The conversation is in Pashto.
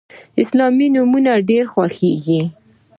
اسلامي نومونه ډیر خوښیږي.